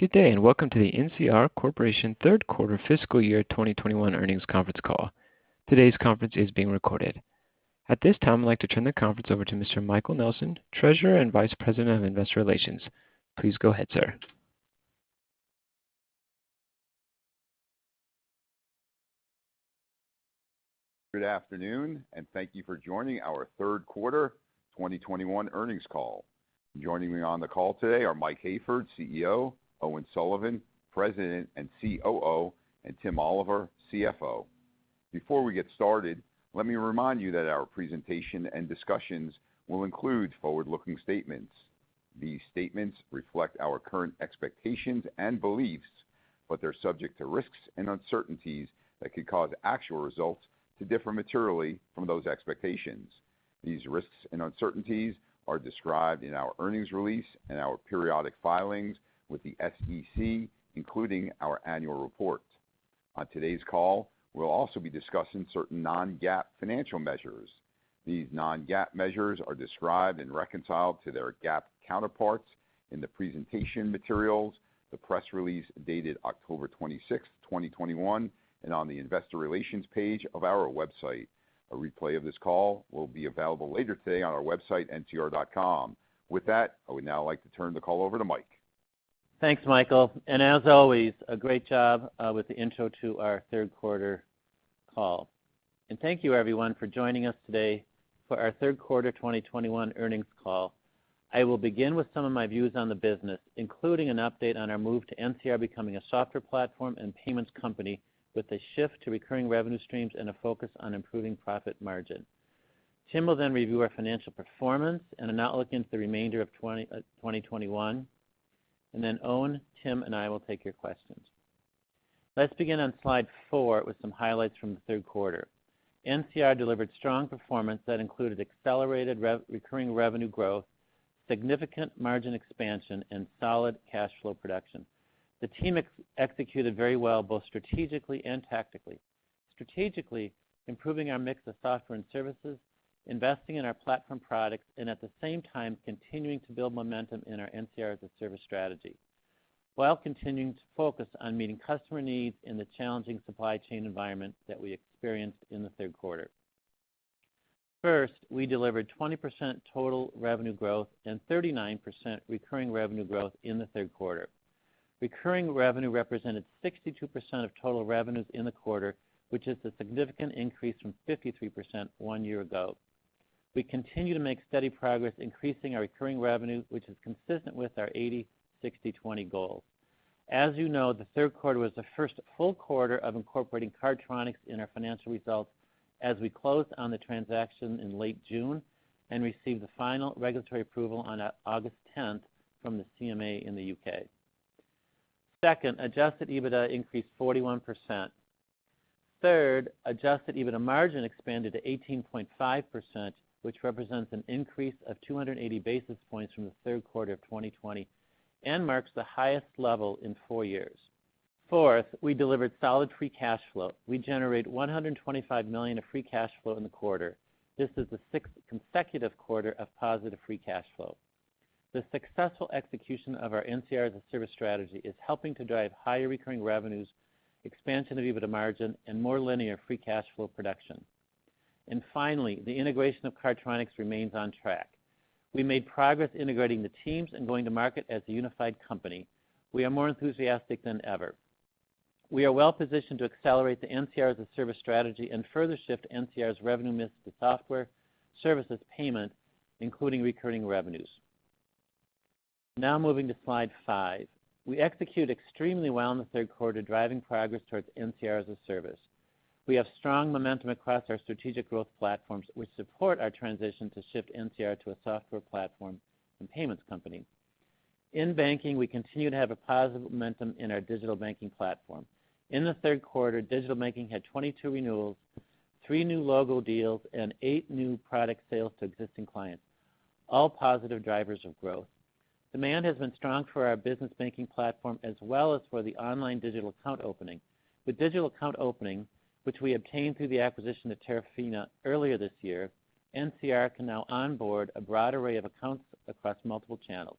Good day, and welcome to the NCR Corporation third quarter fiscal year 2021 earnings conference call. Today's conference is being recorded. At this time, I'd like to turn the conference over to Mr. Michael Nelson, Treasurer and Vice President of Investor Relations. Please go ahead, sir. Good afternoon, and thank you for joining our third quarter 2021 earnings call. Joining me on the call today are Mike Hayford, CEO; Owen Sullivan, President and COO; and Tim Oliver, CFO. Before we get started, let me remind you that our presentation and discussions will include forward-looking statements. These statements reflect our current expectations and beliefs, but they're subject to risks and uncertainties that could cause actual results to differ materially from those expectations. These risks and uncertainties are described in our earnings release and our periodic filings with the SEC, including our annual report. On today's call, we'll also be discussing certain non-GAAP financial measures. These non-GAAP measures are described and reconciled to their GAAP counterparts in the presentation materials, the press release dated October 26, 2021, and on the investor relations page of our website. A replay of this call will be available later today on our website, ncr.com. With that, I would now like to turn the call over to Mike. Thanks, Michael, and as always, a great job with the intro to our third quarter call. Thank you everyone for joining us today for our third quarter 2021 earnings call. I will begin with some of my views on the business, including an update on our move to NCR becoming a software platform and payments company with a shift to recurring revenue streams and a focus on improving profit margin. Tim will then review our financial performance and an outlook into the remainder of 2021, and then Owen, Tim, and I will take your questions. Let's begin on slide four with some highlights from the third quarter. NCR delivered strong performance that included accelerated recurring revenue growth, significant margin expansion, and solid cash flow production. The team executed very well, both strategically and tactically. Strategically, improving our mix of software and services, investing in our platform products, and at the same time continuing to build momentum in our NCR as-a-service strategy while continuing to focus on meeting customer needs in the challenging supply chain environment that we experienced in the third quarter. First, we delivered 20% total revenue growth and 39% recurring revenue growth in the third quarter. Recurring revenue represented 62% of total revenues in the quarter, which is a significant increase from 53% one year ago. We continue to make steady progress increasing our recurring revenue, which is consistent with our 80/60/20 goal. As you know, the third quarter was the first full quarter of incorporating Cardtronics in our financial results as we closed on the transaction in late June and received the final regulatory approval on August 10 from the CMA in the U.K. Second, adjusted EBITDA increased 41%. Third, adjusted EBITDA margin expanded to 18.5%, which represents an increase of 280 basis points from the third quarter of 2020 and marks the highest level in four years. Fourth, we delivered solid free cash flow. We generate $125 million of free cash flow in the quarter. This is the sixth consecutive quarter of positive free cash flow. The successful execution of our NCR as-a-service strategy is helping to drive higher recurring revenues, expansion of EBITDA margin, and more linear free cash flow production. Finally, the integration of Cardtronics remains on track. We made progress integrating the teams and going to market as a unified company. We are more enthusiastic than ever. We are well-positioned to accelerate the NCR as-a-service strategy and further shift NCR's revenue mix to software, services, payments, including recurring revenues. Now moving to slide five. We execute extremely well in the third quarter, driving progress towards NCR as-a-service. We have strong momentum across our strategic growth platforms which support our transition to shift NCR to a software platform and payments company. In banking, we continue to have a positive momentum in our digital banking platform. In the third quarter, digital banking had 22 renewals, three new logo deals, and eight new product sales to existing clients, all positive drivers of growth. Demand has been strong for our business banking platform as well as for the online digital account opening. With digital account opening, which we obtained through the acquisition of Terafina earlier this year, NCR can now onboard a broad array of accounts across multiple channels.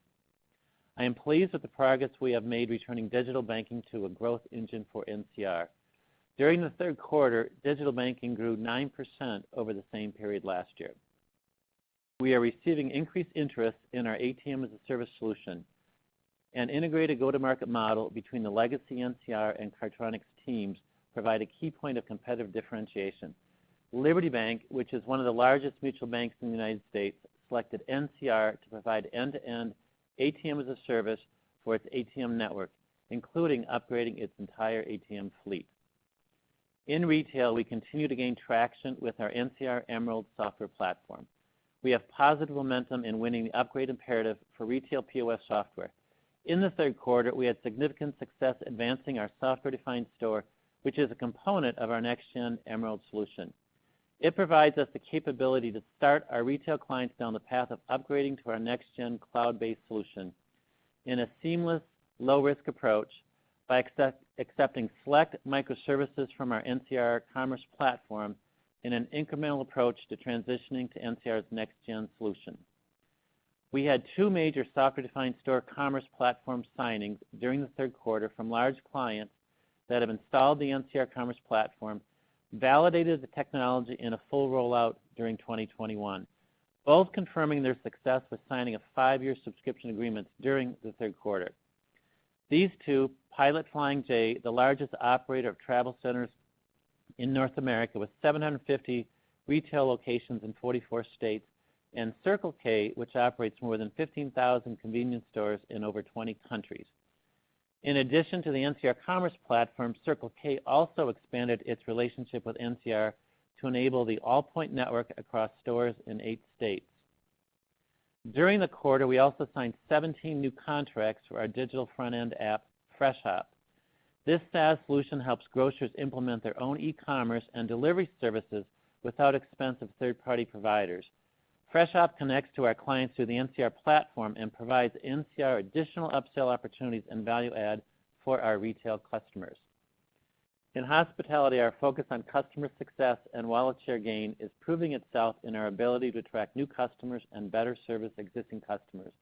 I am pleased with the progress we have made returning digital banking to a growth engine for NCR. During the third quarter, Digital Banking grew 9% over the same period last year. We are receiving increased interest in our ATM-as-a-service solution. An integrated go-to-market model between the legacy NCR and Cardtronics teams provide a key point of competitive differentiation. Liberty Bank, which is one of the largest mutual banks in the United States, selected NCR to provide end-to-end ATM-as-a-service for its ATM network, including upgrading its entire ATM fleet. In retail, we continue to gain traction with our NCR Emerald software platform. We have positive momentum in winning the upgrade imperative for retail POS software. In the third quarter, we had significant success advancing our Software-Defined Store, which is a component of our Next Gen Emerald solution. It provides us the capability to start our retail clients down the path of upgrading to our Next Gen cloud-based solution in a seamless, low-risk approach by accepting select microservices from our NCR Commerce platform in an incremental approach to transitioning to NCR's next-gen solution. We had two major software-defined store commerce platform signings during the third quarter from large clients that have installed the NCR Commerce platform, validated the technology in a full rollout during 2021, both confirming their success with signing a five-year subscription agreements during the third quarter. These two, Pilot Flying J, the largest operator of travel centers in North America with 750 retail locations in 44 states, and Circle K, which operates more than 15,000 convenience stores in over 20 countries. In addition to the NCR Commerce platform, Circle K also expanded its relationship with NCR to enable the Allpoint Network across stores in eight states. During the quarter, we also signed 17 new contracts for our digital front-end app, Freshop. This SaaS solution helps grocers implement their own e-commerce and delivery services without expensive third-party providers. Freshop connects to our clients through the NCR platform and provides NCR additional upsell opportunities and value add for our retail customers. In hospitality, our focus on customer success and wallet share gain is proving itself in our ability to attract new customers and better service existing customers.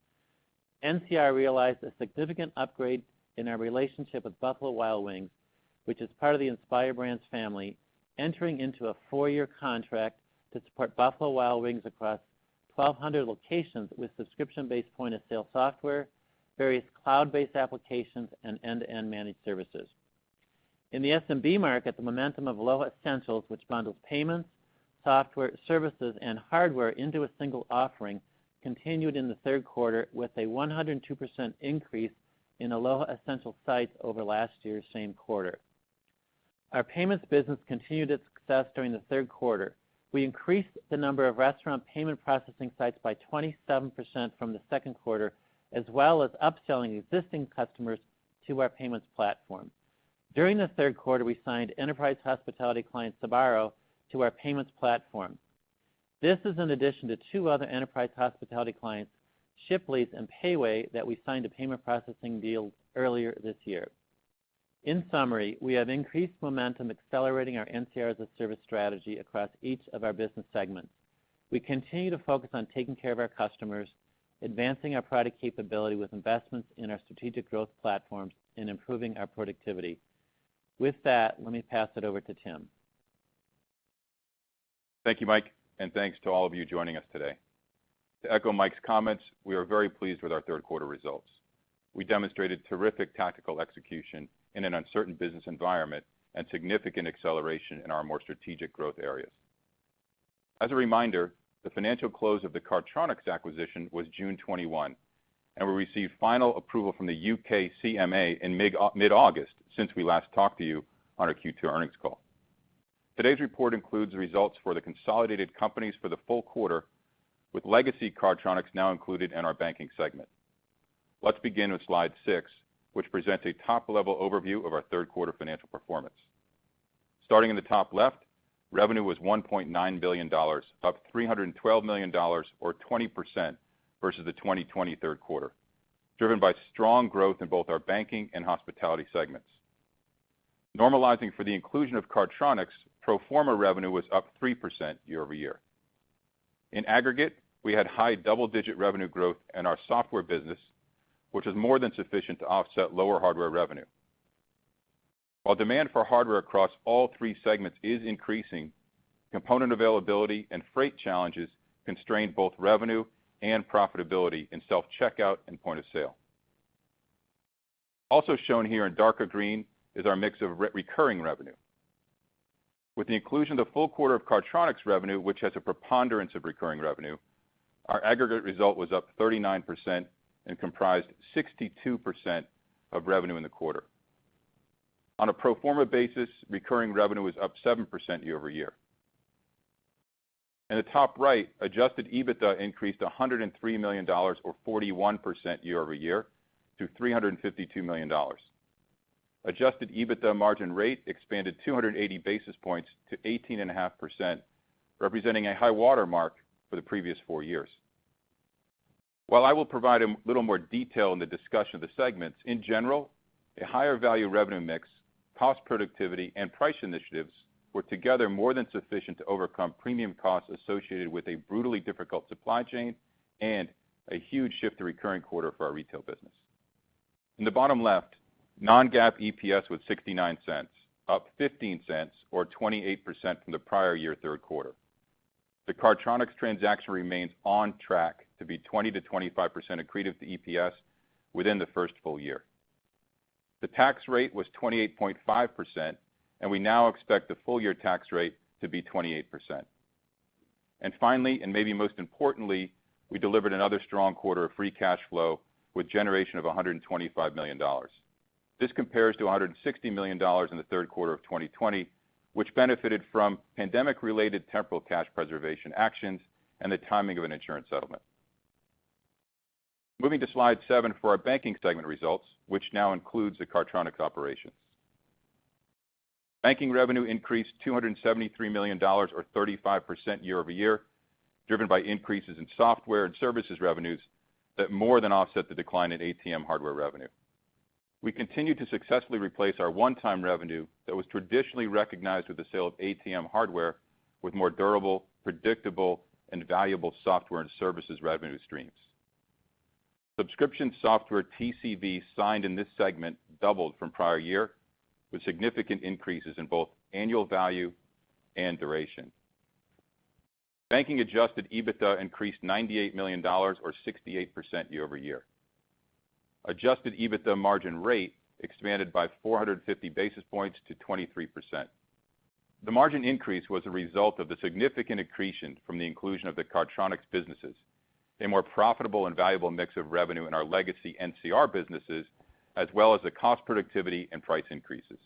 NCR realized a significant upgrade in our relationship with Buffalo Wild Wings, which is part of the Inspire Brands family, entering into a four-year contract to support Buffalo Wild Wings across 1,200 locations with subscription-based point-of-sale software, various cloud-based applications, and end-to-end managed services. In the SMB market, the momentum of Aloha Essentials, which bundles payments, software, services, and hardware into a single offering, continued in the third quarter with a 102% increase in Aloha Essentials sites over last year's same quarter. Our payments business continued its success during the third quarter. We increased the number of restaurant payment processing sites by 27% from the second quarter, as well as upselling existing customers to our payments platform. During the third quarter, we signed enterprise hospitality client Sbarro to our payments platform. This is in addition to two other enterprise hospitality clients, Shipley and PayWay, that we signed a payment processing deal earlier this year. In summary, we have increasing momentum accelerating our NCR as-a-service strategy across each of our business segments. We continue to focus on taking care of our customers, advancing our product capability with investments in our strategic growth platforms, and improving our productivity. With that, let me pass it over to Tim. Thank you, Mike, and thanks to all of you joining us today. To echo Mike's comments, we are very pleased with our third quarter results. We demonstrated terrific tactical execution in an uncertain business environment and significant acceleration in our more strategic growth areas. As a reminder, the financial close of the Cardtronics acquisition was June 21, and we received final approval from the U.K. CMA in mid August since we last talked to you on our Q2 earnings call. Today's report includes results for the consolidated companies for the full quarter, with legacy Cardtronics now included in our banking segment. Let's begin with slide 6, which presents a top-level overview of our third quarter financial performance. Starting in the top left, revenue was $1.9 billion, up $312 million or 20% versus the 2023 third quarter, driven by strong growth in both our banking and hospitality segments. Normalizing for the inclusion of Cardtronics, pro forma revenue was up 3% year-over-year. In aggregate, we had high double-digit revenue growth in our software business, which is more than sufficient to offset lower hardware revenue. While demand for hardware across all three segments is increasing, component availability and freight challenges constrained both revenue and profitability in self-checkout and point-of-sale. Also shown here in darker green is our mix of recurring revenue. With the inclusion of the full quarter of Cardtronics revenue, which has a preponderance of recurring revenue, our aggregate result was up 39% and comprised 62% of revenue in the quarter. On a pro forma basis, recurring revenue was up 7% year-over-year. In the top right, adjusted EBITDA increased $103 million or 41% year-over-year to $352 million. Adjusted EBITDA margin rate expanded 280 basis points to 18.5%, representing a high water mark for the previous four years. While I will provide a little more detail in the discussion of the segments, in general, a higher value revenue mix, cost productivity, and price initiatives were together more than sufficient to overcome premium costs associated with a brutally difficult supply chain and a huge shift to recurring quarter for our retail business. In the bottom left, non-GAAP EPS was $0.69, up $0.15 or 28% from the prior year third quarter. The Cardtronics transaction remains on track to be 20%-25% accretive to EPS within the first full year. The tax rate was 28.5%, and we now expect the full year tax rate to be 28%. Finally, and maybe most importantly, we delivered another strong quarter of free cash flow with generation of $125 million. This compares to $160 million in the third quarter of 2020, which benefited from pandemic-related temporary cash preservation actions and the timing of an insurance settlement. Moving to slide six for our banking segment results, which now includes the Cardtronics operations. Banking revenue increased $273 million or 35% year-over-year, driven by increases in software and services revenues that more than offset the decline in ATM hardware revenue. We continued to successfully replace our one-time revenue that was traditionally recognized with the sale of ATM hardware with more durable, predictable, and valuable software and services revenue streams. Subscription software TCV signed in this segment doubled from prior year, with significant increases in both annual value and duration. Banking adjusted EBITDA increased $98 million or 68% year-over-year. Adjusted EBITDA margin rate expanded by 450 basis points to 23%. The margin increase was a result of the significant accretion from the inclusion of the Cardtronics businesses, a more profitable and valuable mix of revenue in our legacy NCR businesses, as well as the cost productivity and price increases.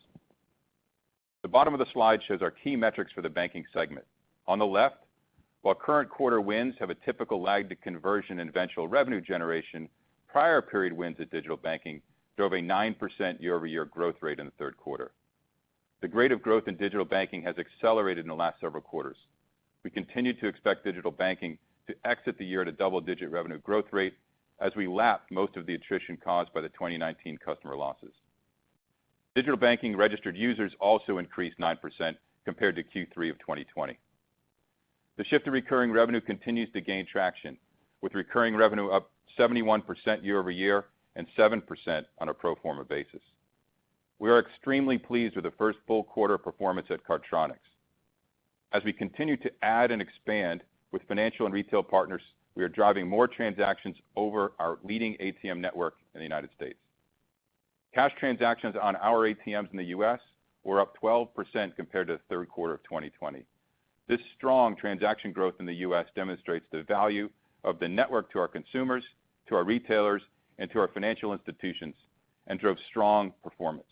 The bottom of the slide shows our key metrics for the banking segment. On the left, while current quarter wins have a typical lag to conversion and eventual revenue generation, prior period wins at Digital Banking drove a 9% year-over-year growth rate in the third quarter. The rate of growth in Digital Banking has accelerated in the last several quarters. We continue to expect Digital Banking to exit the year at a double-digit revenue growth rate as we lap most of the attrition caused by the 2019 customer losses. Digital Banking registered users also increased 9% compared to Q3 of 2020. The shift to recurring revenue continues to gain traction, with recurring revenue up 71% year-over-year and 7% on a pro forma basis. We are extremely pleased with the first full quarter performance at Cardtronics. As we continue to add and expand with financial and retail partners, we are driving more transactions over our leading ATM network in the United States. Cash transactions on our ATMs in the U.S. were up 12% compared to the third quarter of 2020. This strong transaction growth in the U.S. demonstrates the value of the network to our consumers, to our retailers, and to our financial institutions and drove strong performance.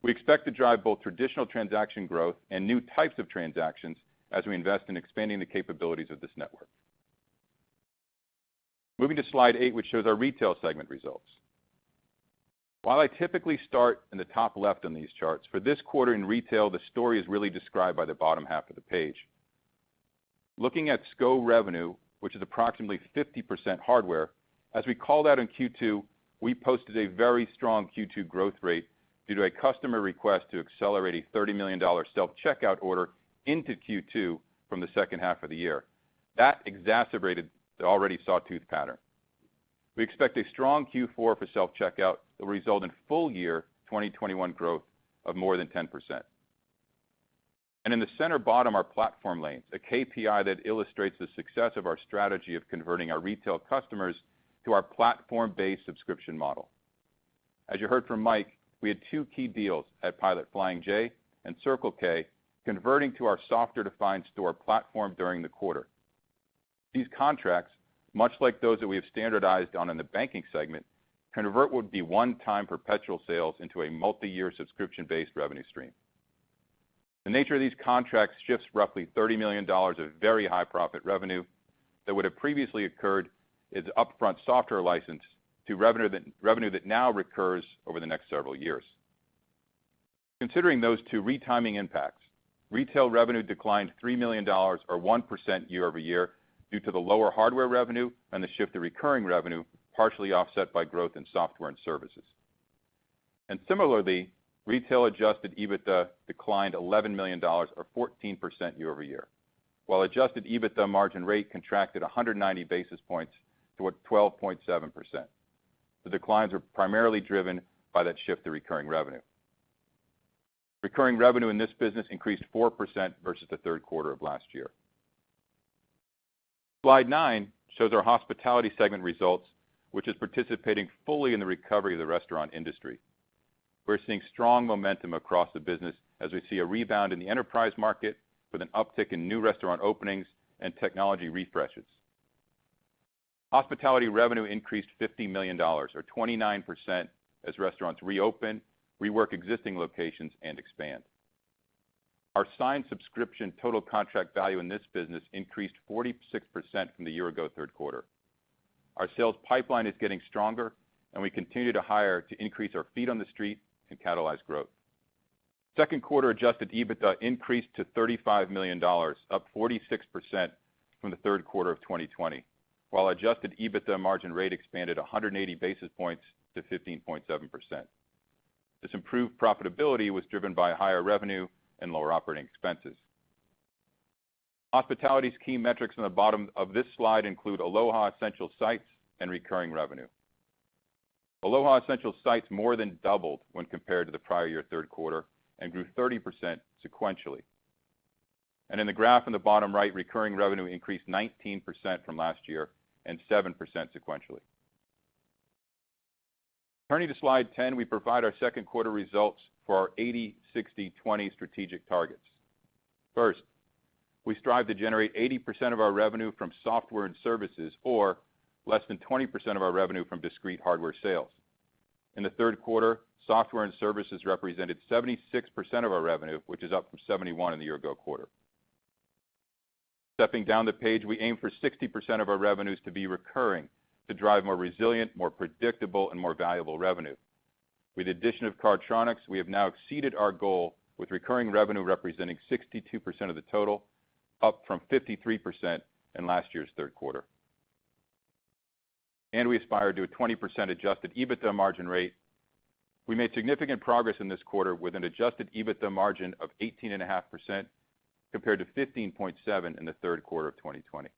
We expect to drive both traditional transaction growth and new types of transactions as we invest in expanding the capabilities of this network. Moving to slide eight, which shows our retail segment results. While I typically start in the top left on these charts, for this quarter in retail, the story is really described by the bottom half of the page. Looking at SCO revenue, which is approximately 50% hardware, as we called out in Q2, we posted a very strong Q2 growth rate due to a customer request to accelerate a $30 million self-checkout order into Q2 from the second half of the year. That exacerbated the already sawtooth pattern. We expect a strong Q4 for self-checkout that will result in full year 2021 growth of more than 10%. In the center bottom, our platform lanes, a KPI that illustrates the success of our strategy of converting our retail customers to our platform-based subscription model. As you heard from Mike, we had two key deals at Pilot Flying J and Circle K converting to our Software Defined Store platform during the quarter. These contracts, much like those that we have standardized on in the Banking segment, convert what would be one-time perpetual sales into a multi-year subscription-based revenue stream. The nature of these contracts shifts roughly $30 million of very high profit revenue that would have previously occurred as upfront software license to revenue that now recurs over the next several years. Considering those two retiming impacts, Retail revenue declined $3 million or 1% year-over-year due to the lower hardware revenue and the shift to recurring revenue, partially offset by growth in software and services. Similarly, Retail adjusted EBITDA declined $11 million or 14% year-over-year, while adjusted EBITDA margin rate contracted 190 basis points to 12.7%. The declines are primarily driven by that shift to recurring revenue. Recurring revenue in this business increased 4% versus the third quarter of last year. Slide nine shows our Hospitality segment results, which is participating fully in the recovery of the restaurant industry. We're seeing strong momentum across the business as we see a rebound in the enterprise market with an uptick in new restaurant openings and technology refreshes. Hospitality revenue increased $50 million or 29% as restaurants reopen, rework existing locations, and expand. Our signed subscription total contract value in this business increased 46% from the year-ago third quarter. Our sales pipeline is getting stronger and we continue to hire to increase our feet on the street and catalyze growth. Second quarter adjusted EBITDA increased to $35 million, up 46% from the third quarter of 2020, while adjusted EBITDA margin rate expanded 180 basis points to 15.7%. This improved profitability was driven by higher revenue and lower operating expenses. Hospitality's key metrics on the bottom of this slide include Aloha Essentials sites and recurring revenue. Aloha Essentials sites more than doubled when compared to the prior year third quarter and grew 30% sequentially. In the graph in the bottom right, recurring revenue increased 19% from last year and 7% sequentially. Turning to slide 10, we provide our second quarter results for our 80/60/20 strategic targets. First, we strive to generate 80% of our revenue from software and services or less than 20% of our revenue from discrete hardware sales. In the third quarter, software and services represented 76% of our revenue, which is up from 71% in the year ago quarter. Stepping down the page, we aim for 60% of our revenues to be recurring to drive more resilient, more predictable, and more valuable revenue. With the addition of Cardtronics, we have now exceeded our goal with recurring revenue representing 62% of the total, up from 53% in last year's third quarter. We aspire to a 20% adjusted EBITDA margin rate. We made significant progress in this quarter with an adjusted EBITDA margin of 18.5% compared to 15.7% in the third quarter of 2020.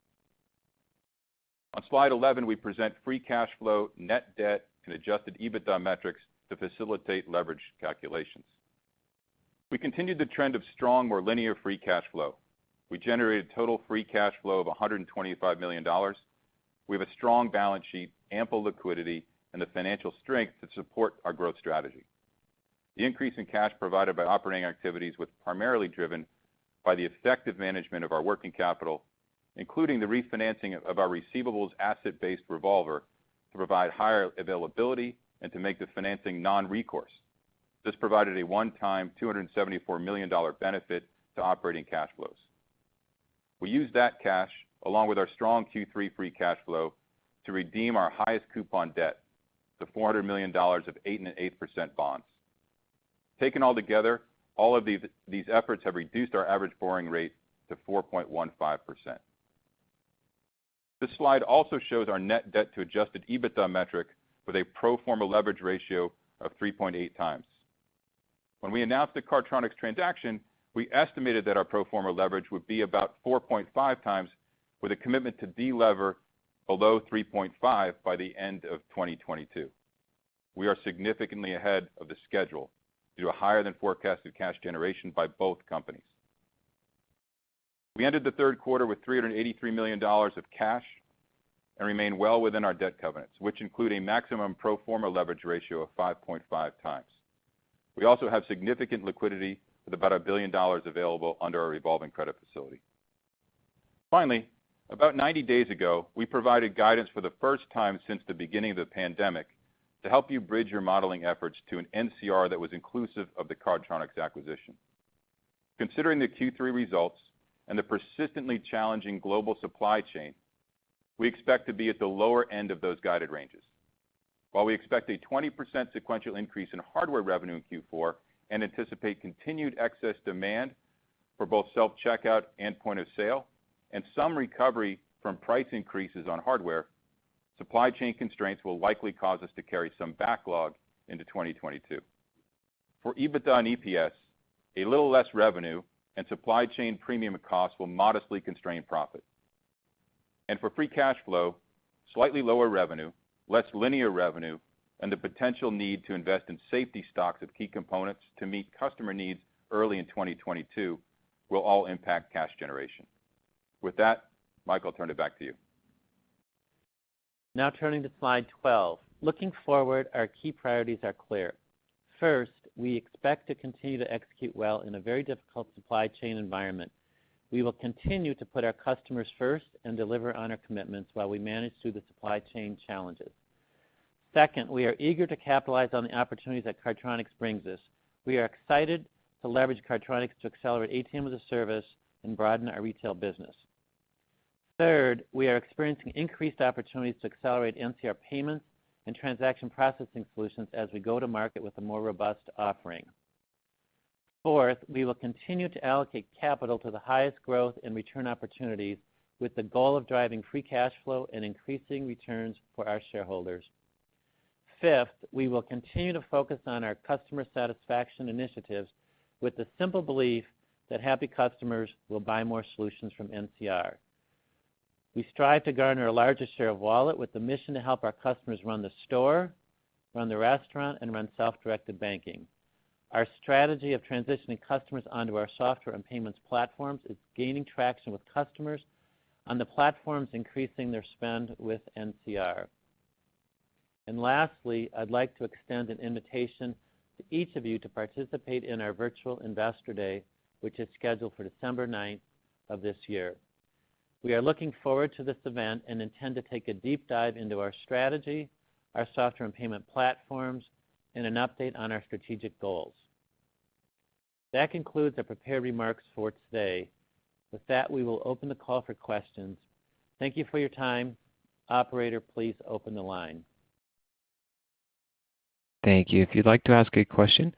On slide 11, we present free cash flow, net debt, and adjusted EBITDA metrics to facilitate leverage calculations. We continued the trend of strong, more linear free cash flow. We generated total free cash flow of $125 million. We have a strong balance sheet, ample liquidity, and the financial strength to support our growth strategy. The increase in cash provided by operating activities was primarily driven by the effective management of our working capital, including the refinancing of our receivables asset-based revolver to provide higher availability and to make the financing non-recourse. This provided a one-time $274 million benefit to operating cash flows. We used that cash along with our strong Q3 free cash flow to redeem our highest coupon debt to $400 million of 8.8% bonds. Taken all together, all of these efforts have reduced our average borrowing rate to 4.15%. This slide also shows our net debt to adjusted EBITDA metric with a pro forma leverage ratio of 3.8x. When we announced the Cardtronics transaction, we estimated that our pro forma leverage would be about 4.5x with a commitment to delever below 3.5 by the end of 2022. We are significantly ahead of the schedule due to higher than forecasted cash generation by both companies. We ended the third quarter with $383 million of cash and remain well within our debt covenants, which include a maximum pro forma leverage ratio of 5.5x. We also have significant liquidity with about $1 billion available under our revolving credit facility. Finally, about 90 days ago, we provided guidance for the first time since the beginning of the pandemic to help you bridge your modeling efforts to an NCR that was inclusive of the Cardtronics acquisition. Considering the Q3 results and the persistently challenging global supply chain, we expect to be at the lower end of those guided ranges. While we expect a 20% sequential increase in hardware revenue in Q4 and anticipate continued excess demand for both self-checkout and point of sale and some recovery from price increases on hardware, supply chain constraints will likely cause us to carry some backlog into 2022. For EBITDA and EPS, a little less revenue and supply chain premium costs will modestly constrain profit. For free cash flow, slightly lower revenue, less linear revenue, and the potential need to invest in safety stocks of key components to meet customer needs early in 2022 will all impact cash generation. With that, Mike, I'll turn it back to you. Now turning to slide 12. Looking forward, our key priorities are clear. First, we expect to continue to execute well in a very difficult supply chain environment. We will continue to put our customers first and deliver on our commitments while we manage through the supply chain challenges. Second, we are eager to capitalize on the opportunities that Cardtronics brings us. We are excited to leverage Cardtronics to accelerate ATM as a Service and broaden our retail business. Third, we are experiencing increased opportunities to accelerate NCR payments and transaction processing solutions as we go to market with a more robust offering. Fourth, we will continue to allocate capital to the highest growth and return opportunities with the goal of driving free cash flow and increasing returns for our shareholders. Fifth, we will continue to focus on our customer satisfaction initiatives with the simple belief that happy customers will buy more solutions from NCR. We strive to garner a larger share of wallet with the mission to help our customers run the store, run the restaurant, and run self-directed banking. Our strategy of transitioning customers onto our software and payments platforms is gaining traction with customers on the platforms increasing their spend with NCR. Lastly, I'd like to extend an invitation to each of you to participate in our virtual Investor Day, which is scheduled for December ninth of this year. We are looking forward to this event and intend to take a deep dive into our strategy, our software and payment platforms, and an update on our strategic goals. That concludes our prepared remarks for today. With that, we will open the call for questions. Thank you for your time. Operator, please open the line. Thank you. If you'd like to ask a question,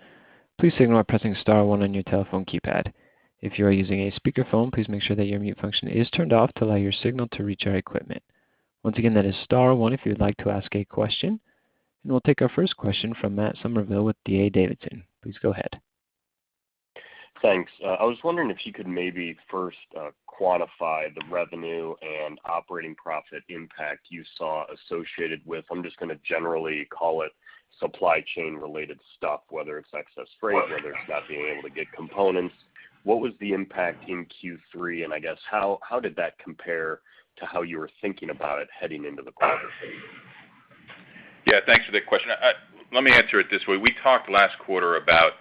please signal by pressing star one on your telephone keypad. If you are using a speakerphone, please make sure that your mute function is turned off to allow your signal to reach our equipment. Once again, that is star one if you would like to ask a question, and we'll take our first question from Matt Summerville with D.A. Davidson. Please go ahead. Thanks. I was wondering if you could maybe first quantify the revenue and operating profit impact you saw associated with, I'm just gonna generally call it supply chain related stuff, whether it's excess freight, whether it's about being able to get components. What was the impact in Q3? And I guess how did that compare to how you were thinking about it heading into the quarter? Yeah, thanks for that question. Let me answer it this way. We talked last quarter about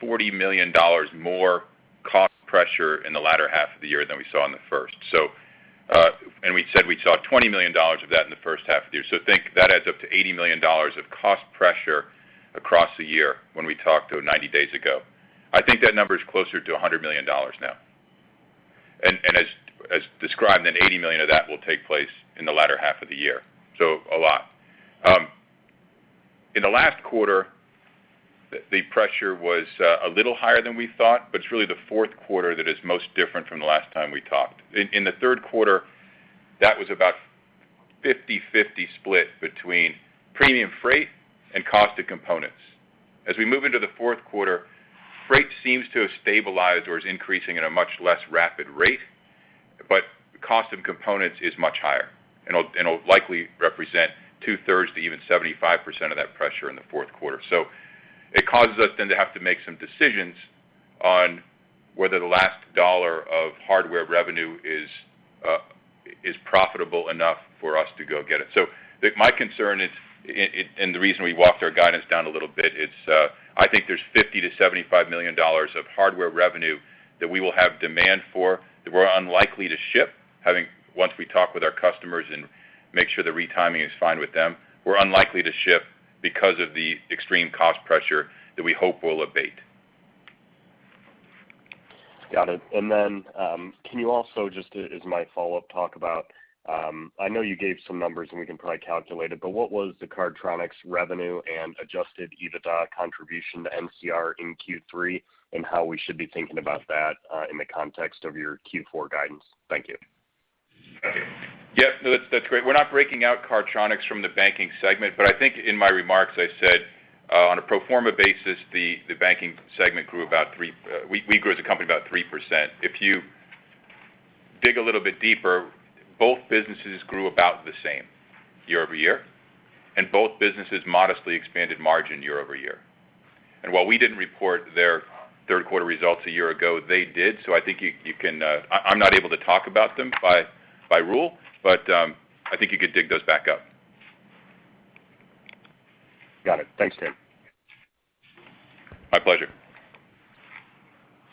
$40 million more cost pressure in the latter half of the year than we saw in the first. We said we saw $20 million of that in the first half of the year. Think that adds up to $80 million of cost pressure across the year when we talked about it 90 days ago. I think that number is closer to $100 million now. As described, then $80 million of that will take place in the latter half of the year, so a lot. In the last quarter, the pressure was a little higher than we thought, but it's really the fourth quarter that is most different from the last time we talked. In the third quarter, that was about 50/50 split between premium freight and cost of components. As we move into the fourth quarter, freight seems to have stabilized or is increasing at a much less rapid rate, but cost of components is much higher and will likely represent two-thirds to even 75% of that pressure in the fourth quarter. It causes us then to have to make some decisions on whether the last dollar of hardware revenue is profitable enough for us to go get it. My concern is, and the reason we walked our guidance down a little bit is, I think there's $50-$75 million of hardware revenue that we will have demand for, that we're unlikely to ship once we talk with our customers and make sure the retiming is fine with them. We're unlikely to ship because of the extreme cost pressure that we hope will abate. Got it. Can you also just as my follow-up talk about? I know you gave some numbers, and we can probably calculate it, but what was the Cardtronics revenue and adjusted EBITDA contribution to NCR in Q3, and how we should be thinking about that in the context of your Q4 guidance? Thank you. Yeah. No, that's great. We're not breaking out Cardtronics from the banking segment, but I think in my remarks, I said, on a pro forma basis, the banking segment grew about 3%. We grew as a company about 3%. If you dig a little bit deeper, both businesses grew about the same year-over-year, and both businesses modestly expanded margin year-over-year. While we didn't report their third quarter results a year ago, they did. I think you can. I'm not able to talk about them by rule, but I think you could dig those back up. Got it. Thanks, Tim. My pleasure.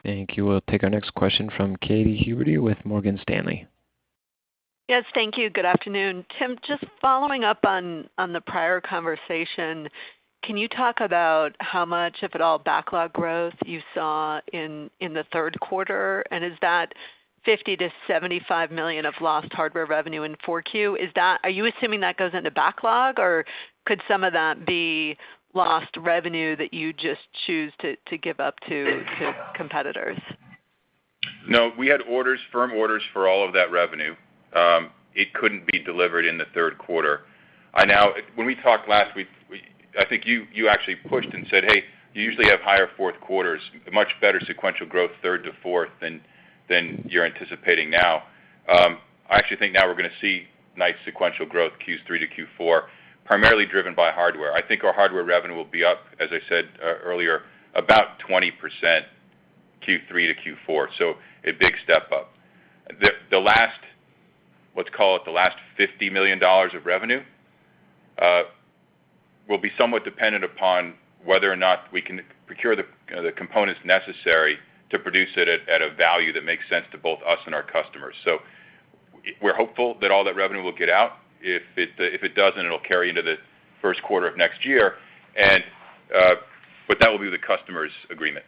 Thank you. We'll take our next question from Katy Huberty with Morgan Stanley. Yes, thank you. Good afternoon. Tim, just following up on the prior conversation, can you talk about how much, if at all, backlog growth you saw in the third quarter? And is that $50-$75 million of lost hardware revenue in 4Q? Are you assuming that goes into backlog, or could some of that be lost revenue that you just choose to give up to competitors? No, we had orders, firm orders for all of that revenue. It couldn't be delivered in the third quarter. When we talked last week, I think you actually pushed and said, "Hey, you usually have higher fourth quarters, much better sequential growth, third to fourth than you're anticipating now." I actually think now we're gonna see nice sequential growth Q3 to Q4, primarily driven by hardware. I think our hardware revenue will be up, as I said earlier, about 20% Q3 to Q4, so a big step up. The last, let's call it the last $50 million of revenue, will be somewhat dependent upon whether or not we can procure the components necessary to produce it at a value that makes sense to both us and our customers. We're hopeful that all that revenue will get out. If it doesn't, it'll carry into the first quarter of next year. That will be the customer's agreement.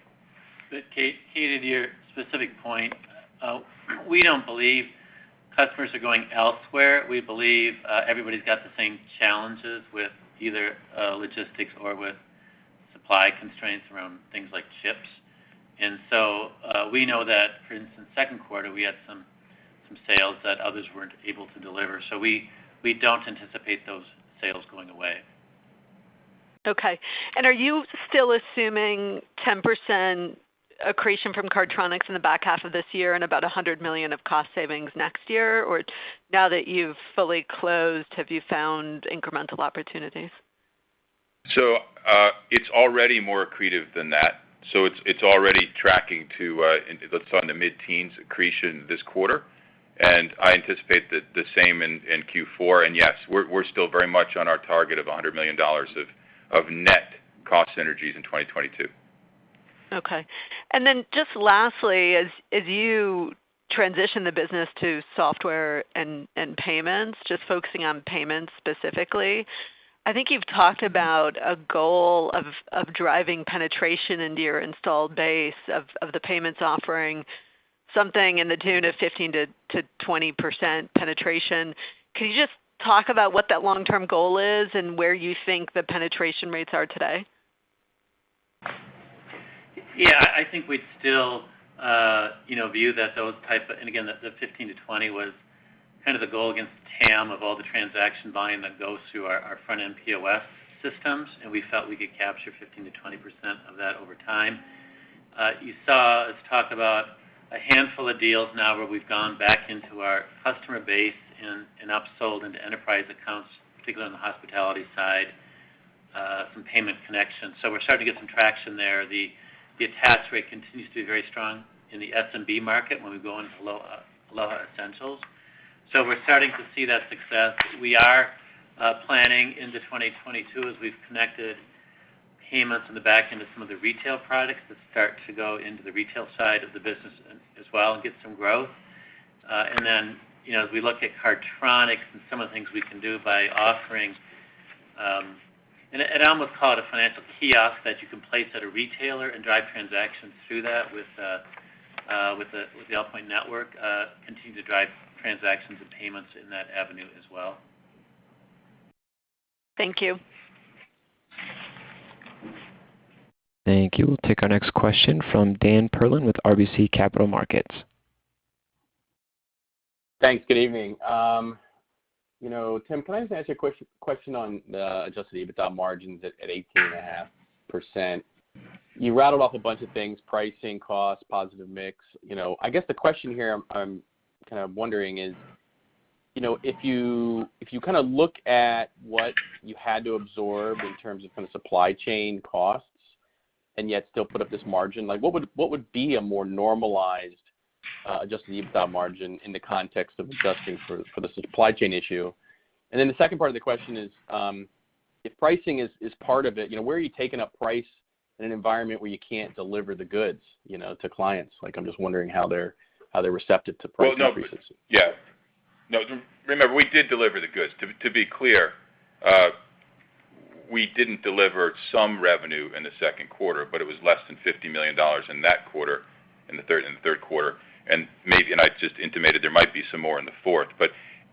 Katy, to your specific point, we don't believe customers are going elsewhere. We believe everybody's got the same challenges with either logistics or with supply constraints around things like chips. We know that, for instance, second quarter, we had some sales that others weren't able to deliver. We don't anticipate those sales going away. Okay. Are you still assuming 10% accretion from Cardtronics in the back half of this year and about $100 million of cost savings next year? Or now that you've fully closed, have you found incremental opportunities? It's already more accretive than that. It's already tracking to the mid-teens accretion this quarter. I anticipate the same in Q4. Yes, we're still very much on our target of $100 million of net cost synergies in 2022. Okay. Just lastly, as you transition the business to software and payments, just focusing on payments specifically, I think you've talked about a goal of driving penetration into your installed base of the payments offering something to the tune of 15%-20% penetration. Can you just talk about what that long-term goal is and where you think the penetration rates are today? Yeah. I think we'd still, you know, view that. Again, the 15-20 was kind of the goal against TAM of all the transaction volume that goes through our front-end POS systems, and we felt we could capture 15%-20% of that over time. You saw us talk about a handful of deals now where we've gone back into our customer base and upsold into enterprise accounts, particularly on the hospitality side, from payment connections. So we're starting to get some traction there. The attach rate continues to be very strong in the SMB market when we go into Aloha Essentials. So we're starting to see that success. We are planning into 2022, as we've connected payments on the back end of some of the retail products that start to go into the retail side of the business as well and get some growth. You know, as we look at Cardtronics and some of the things we can do by offering, I'd almost call it a financial kiosk that you can place at a retailer and drive transactions through that with the Allpoint Network, continue to drive transactions and payments in that avenue as well. Thank you. Thank you. We'll take our next question from Daniel Perlin with RBC Capital Markets. Thanks. Good evening. You know, Tim, can I just ask you a question on the adjusted EBITDA margins at 18.5%? You rattled off a bunch of things, pricing, cost, positive mix. You know, I guess the question here I'm kind of wondering is, you know, if you kinda look at what you had to absorb in terms of kinda supply chain costs and yet still put up this margin, like, what would be a more normalized adjusted EBITDA margin in the context of adjusting for the supply chain issue? Then the second part of the question is, if pricing is part of it, you know, where are you taking up price in an environment where you can't deliver the goods, you know, to clients? Like, I'm just wondering how they're receptive to price increases? Well, no, but yeah. No, remember, we did deliver the goods. To be clear, we didn't deliver some revenue in the second quarter, but it was less than $50 million in that quarter, in the third quarter. Maybe I just intimated there might be some more in the fourth.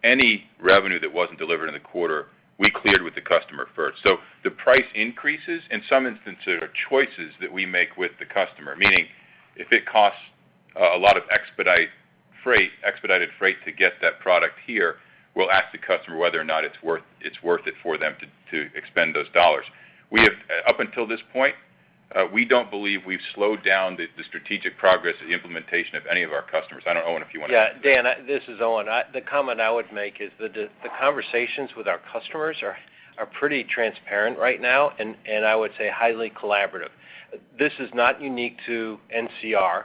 Any revenue that wasn't delivered in the quarter, we cleared with the customer first. The price increases, in some instances, are choices that we make with the customer, meaning if it costs a lot of expedited freight to get that product here, we'll ask the customer whether or not it's worth it for them to expend those dollars. Up until this point, we don't believe we've slowed down the strategic progress or the implementation of any of our customers. I don't know, Owen, if you wanna. Yeah. Dan, this is Owen. The comment I would make is the conversations with our customers are pretty transparent right now and I would say highly collaborative. This is not unique to NCR.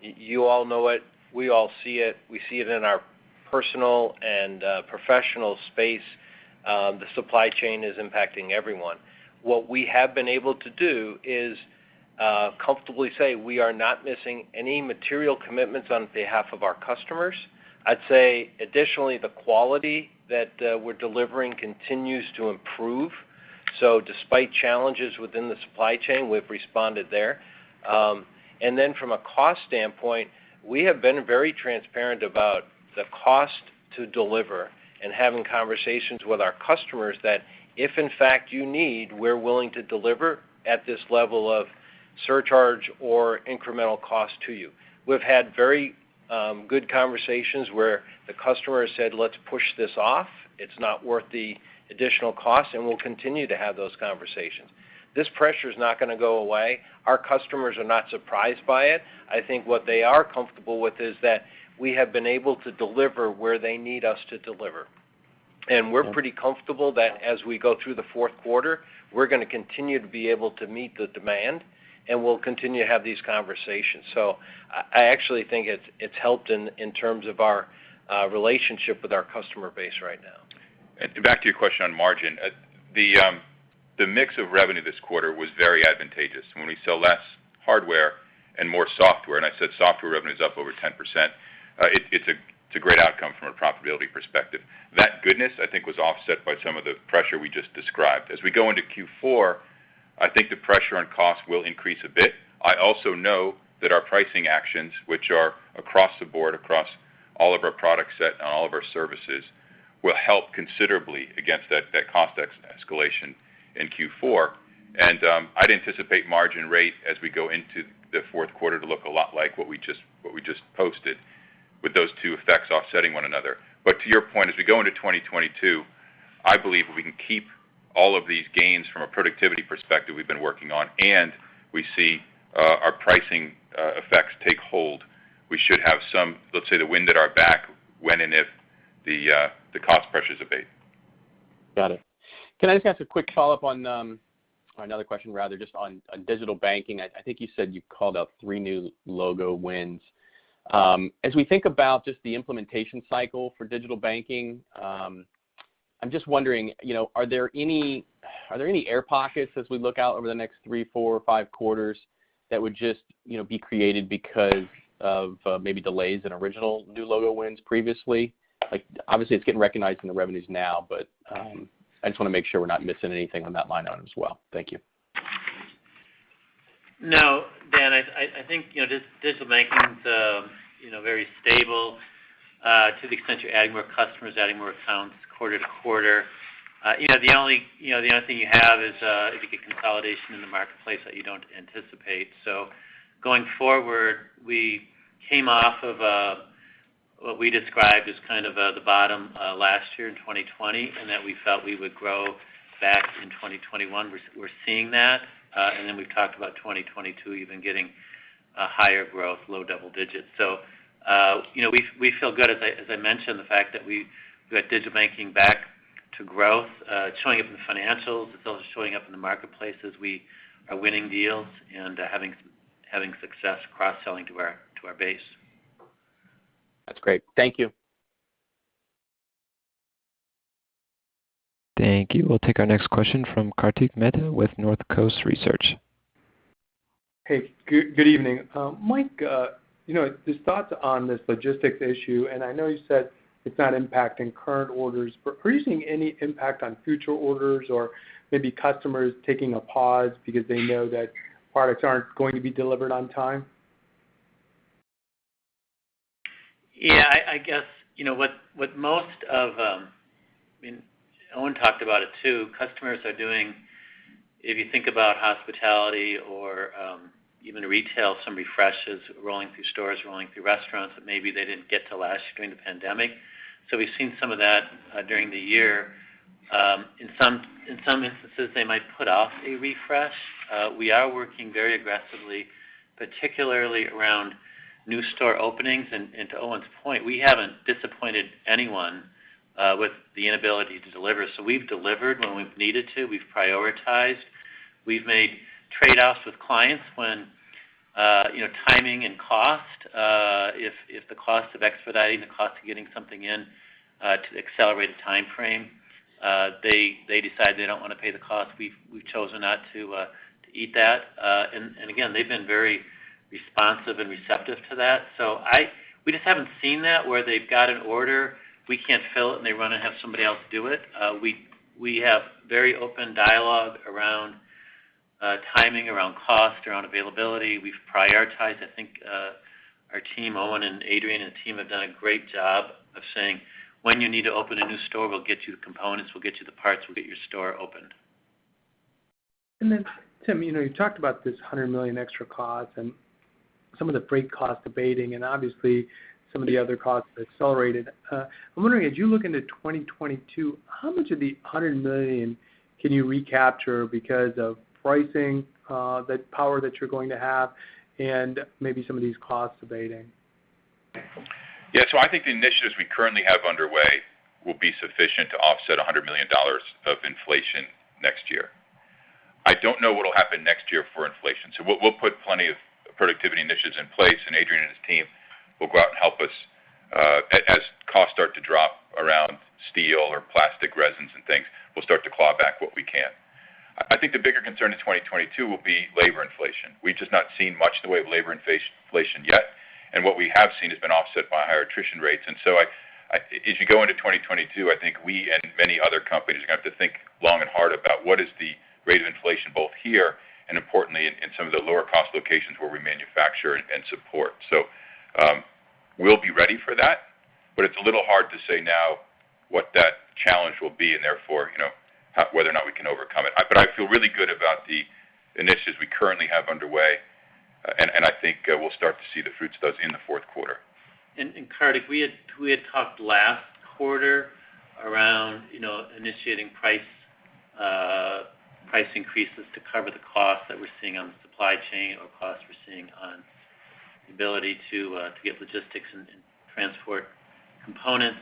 You all know it, we all see it, we see it in our personal and professional space. The supply chain is impacting everyone. What we have been able to do is comfortably say we are not missing any material commitments on behalf of our customers. I'd say additionally, the quality that we're delivering continues to improve. Despite challenges within the supply chain, we've responded there. From a cost standpoint, we have been very transparent about the cost to deliver and having conversations with our customers that if in fact you need, we're willing to deliver at this level of surcharge or incremental cost to you. We've had very good conversations where the customer has said, "Let's push this off, it's not worth the additional cost," and we'll continue to have those conversations. This pressure is not gonna go away. Our customers are not surprised by it. I think what they are comfortable with is that we have been able to deliver where they need us to deliver. We're pretty comfortable that as we go through the fourth quarter, we're gonna continue to be able to meet the demand, and we'll continue to have these conversations. I actually think it's helped in terms of our relationship with our customer base right now. Back to your question on margin. The mix of revenue this quarter was very advantageous. When we sell less hardware and more software, and I said software revenue is up over 10%, it's a great outcome from a profitability perspective. That goodness, I think, was offset by some of the pressure we just described. As we go into Q4, I think the pressure on cost will increase a bit. I also know that our pricing actions, which are across the board, across all of our product set and all of our services, will help considerably against that cost escalation in Q4. I'd anticipate margin rate as we go into the fourth quarter to look a lot like what we just posted, with those two effects offsetting one another. To your point, as we go into 2022, I believe if we can keep all of these gains from a productivity perspective we've been working on and we see our pricing effects take hold, we should have some, let's say, the wind at our back when and if the cost pressures abate. Got it. Can I just ask a quick follow-up on or another question rather, just on Digital Banking? I think you said you called out three new logo wins. As we think about just the implementation cycle for Digital Banking, I'm just wondering, you know, are there any air pockets as we look out over the next three, four, or five quarters that would just, you know, be created because of maybe delays in original new logo wins previously? Like, obviously it's getting recognized in the revenues now, but I just wanna make sure we're not missing anything on that line item as well. Thank you. No, Dan, I think, you know, Digital Banking's, you know, very stable, to the extent you're adding more customers, adding more accounts quarter to quarter. You know, the only thing you have is if you get consolidation in the marketplace that you don't anticipate. Going forward, we came off of what we described as kind of the bottom last year in 2020, and that we felt we would grow back in 2021. We're seeing that. We've talked about 2022 even getting a higher growth, low double digits. You know, we feel good, as I mentioned, the fact that we got Digital Banking back to growth, showing up in the financials. It's also showing up in the marketplace as we are winning deals and having success cross-selling to our base. That's great. Thank you. Thank you. We'll take our next question from Kartik Mehta with Northcoast Research. Hey, good evening. Mike, you know, just thoughts on this logistics issue. I know you said it's not impacting current orders, but are you seeing any impact on future orders or maybe customers taking a pause because they know that products aren't going to be delivered on time? Yeah, I guess, you know. I mean, Owen talked about it too. Customers are doing, if you think about hospitality or even retail, some refreshes rolling through stores, rolling through restaurants that maybe they didn't get to last year during the pandemic. We've seen some of that during the year. In some instances, they might put off a refresh. We are working very aggressively, particularly around new store openings. To Owen's point, we haven't disappointed anyone with the inability to deliver. We've delivered when we've needed to. We've prioritized. We've made trade-offs with clients when, you know, timing and cost, if the cost of expediting, the cost of getting something in to accelerate the timeframe, they decide they don't wanna pay the cost. We've chosen not to eat that. Again, they've been very responsive and receptive to that. We just haven't seen that, where they've got an order, we can't fill it, and they run and have somebody else do it. We have very open dialogue around timing, around cost, around availability. We've prioritized. I think our team, Owen and Adrian and team, have done a great job of saying, "When you need to open a new store, we'll get you the components, we'll get you the parts, we'll get your store opened. Tim, you know, you talked about this $100 million extra cost and some of the freight costs abating and obviously some of the other costs have accelerated. I'm wondering, as you look into 2022, how much of the $100 million can you recapture because of pricing, that power that you're going to have and maybe some of these costs abating? Yeah. I think the initiatives we currently have underway will be sufficient to offset $100 million of inflation next year. I don't know what'll happen next year for inflation, so we'll put plenty of productivity initiatives in place, and Adrian and his team will go out and help us as costs start to drop around steel or plastic resins and things, we'll start to claw back what we can. I think the bigger concern in 2022 will be labor inflation. We've just not seen much in the way of labor inflation yet, and what we have seen has been offset by higher attrition rates. As you go into 2022, I think we and many other companies are gonna have to think long and hard about what is the rate of inflation both here and importantly in some of the lower cost locations where we manufacture and support. We'll be ready for that, but it's a little hard to say now what that challenge will be and therefore, you know, whether or not we can overcome it. I feel really good about the initiatives we currently have underway, and I think we'll start to see the fruits of those in the fourth quarter. Kartik, we had talked last quarter around, you know, initiating price increases to cover the costs that we're seeing on the supply chain or costs we're seeing on the ability to get logistics and transport components.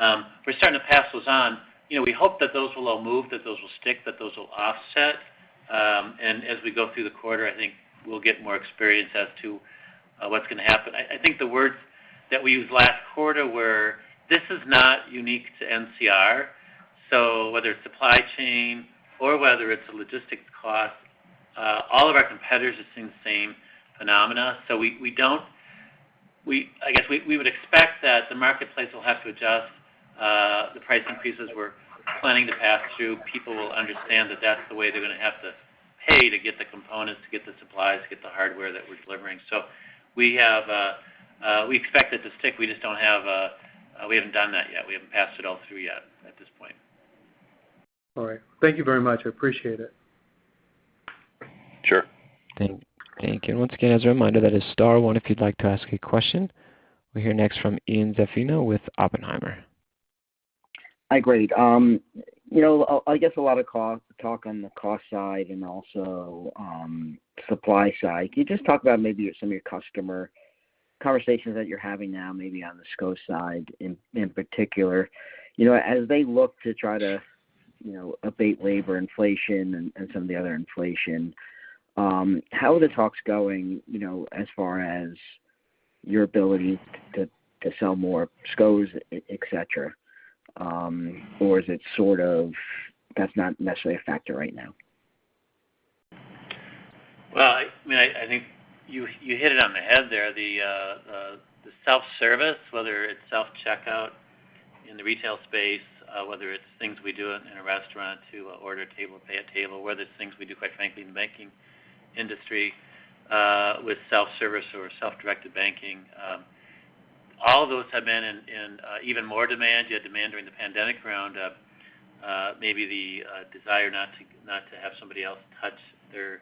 We're starting to pass those on. You know, we hope that those will all move, that those will stick, that those will offset. As we go through the quarter, I think we'll get more experience as to what's gonna happen. I think the words that we used last quarter were this is not unique to NCR. Whether it's supply chain or whether it's the logistics cost, all of our competitors are seeing the same phenomena. So we don't, I guess we would expect that the marketplace will have to adjust the price increases we're planning to pass through. People will understand that that's the way they're gonna have to pay to get the components, to get the supplies, to get the hardware that we're delivering. We expect it to stick. We haven't done that yet. We haven't passed it all through yet at this point. All right. Thank you very much. I appreciate it. Sure. Thank you. Once again, as a reminder, that is star one if you'd like to ask a question. We'll hear next from Ian Zaffino with Oppenheimer. Hi, great. I guess a lot of cost talk on the cost side and also on supply side. Can you just talk about maybe some of your customer conversations that you're having now, maybe on the SCO side in particular? As they look to try to abate labor inflation and some of the other inflation, how are the talks going as far as your ability to sell more SCOs, et cetera? Or is it sort of that's not necessarily a factor right now? Well, I mean, I think you hit it on the head there. The self-service, whether it's self-checkout in the retail space, whether it's things we do in a restaurant to order a table, pay a table, whether it's things we do, quite frankly, in the banking industry, with self-service or self-directed banking, all of those have been in even more demand. You had demand during the pandemic around, maybe the desire not to have somebody else touch their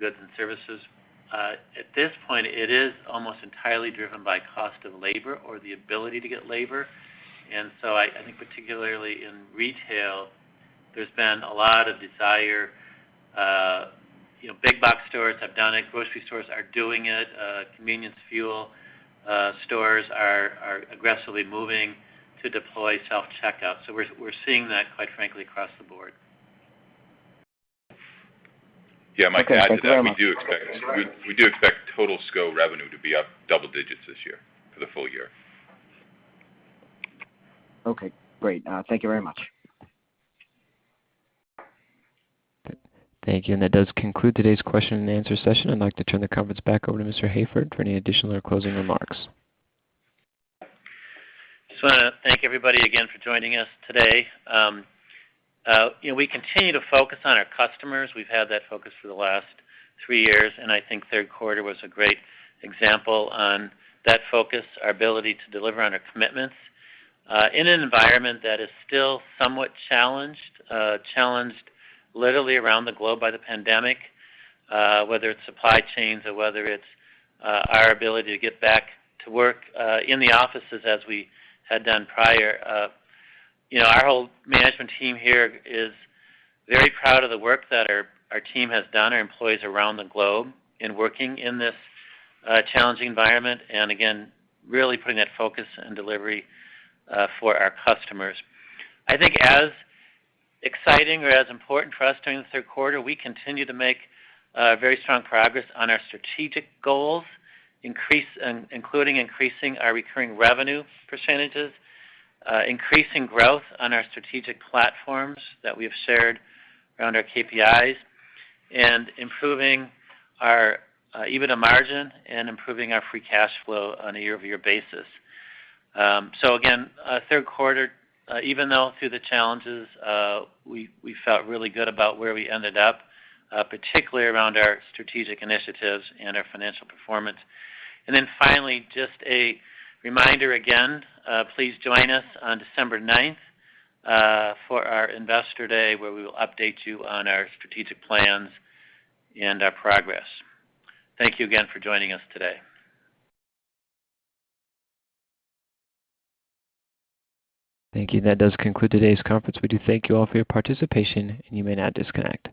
goods and services. At this point, it is almost entirely driven by cost of labor or the ability to get labor. I think particularly in retail, there's been a lot of desire, you know, big box stores have done it, grocery stores are doing it, convenience fuel stores are aggressively moving to deploy self-checkout. We're seeing that, quite frankly, across the board. Yeah, Mike, to add to that, we do expect total SCO revenue to be up double digits this year for the full year. Okay, great. Thank you very much. Thank you. That does conclude today's question and answer session. I'd like to turn the conference back over to Mr. Hayford for any additional or closing remarks. Just wanna thank everybody again for joining us today. You know, we continue to focus on our customers. We've had that focus for the last three years, and I think third quarter was a great example on that focus, our ability to deliver on our commitments in an environment that is still somewhat challenged literally around the globe by the pandemic, whether it's supply chains or whether it's our ability to get back to work in the offices as we had done prior. You know, our whole management team here is very proud of the work that our team has done, our employees around the globe in working in this challenging environment, and again, really putting that focus on delivery for our customers. I think as exciting or as important for us during the third quarter, we continue to make very strong progress on our strategic goals, including increasing our recurring revenue percentages, increasing growth on our strategic platforms that we have shared around our KPIs, and improving our EBITDA margin and improving our free cash flow on a year-over-year basis. Again, third quarter, even though through the challenges, we felt really good about where we ended up, particularly around our strategic initiatives and our financial performance. Finally, just a reminder again, please join us on December ninth for our Investor Day, where we will update you on our strategic plans and our progress. Thank you again for joining us today. Thank you. That does conclude today's conference. We do thank you all for your participation, and you may now disconnect.